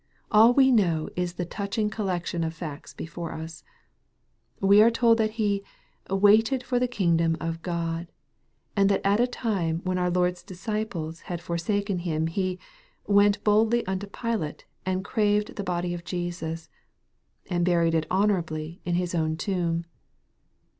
All we know is the touching collection of facts before us. We are told that he " waited for the kingdom of God, and that at a time when our Lord's disciples had all forsaken Him, He " went in boldly unto Pilate, and craved the body of Jesus," and buried it honorably in his own tomb.